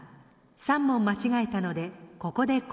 ３問間違えたのでここで交代です。